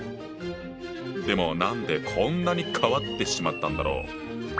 でも何でこんなに変わってしまったんだろう？